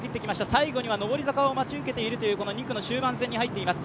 最後には上り坂が待ち受けている２区の終盤戦に入っています。